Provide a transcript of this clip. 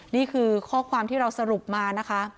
นี่คือข้อความที่เราสรุปมานะคะ